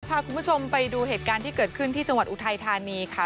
พาคุณผู้ชมไปดูเหตุการณ์ที่เกิดขึ้นที่จังหวัดอุทัยธานีค่ะ